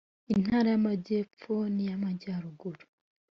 intara y amagepfo n iy amajyaruguru